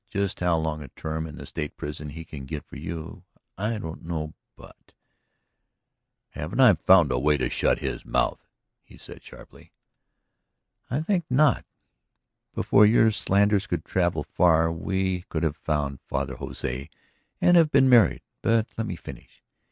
Just how long a term in the State prison he can get for you I don't know. But ..." "Haven't I found the way to shut his mouth!" he said sharply. "I think not. Before your slanders could travel far we could have found Father Jose and have been married. But let me finish.